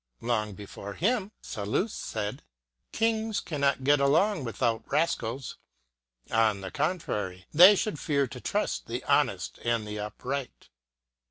Long before him Sal lust said: "Kings cannot get along without rascals. On the contrary, they should fear to trust the honest and the upright."